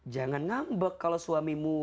jangan ngambek kalau suamimu